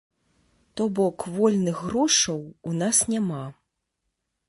То бок вольных грошаў у нас няма.